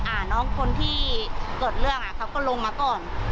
อ่าน้องคนที่เกิดเรื่องอ่ะเขาก็ลงมาก่อน